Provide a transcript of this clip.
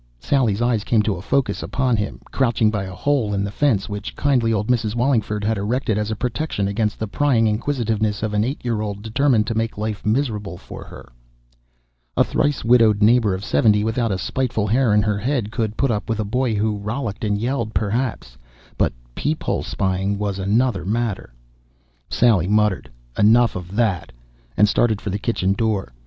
Sally's eyes came to a focus upon him, crouching by a hole in the fence which kindly old Mrs. Wallingford had erected as a protection against the prying inquisitiveness of an eight year old determined to make life miserable for her. A thrice widowed neighbor of seventy without a spiteful hair in her head could put up with a boy who rollicked and yelled perhaps. But peep hole spying was another matter. Sally muttered: "Enough of that!" and started for the kitchen door.